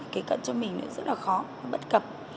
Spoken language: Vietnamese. kế cận cho mình rất là khó bất cập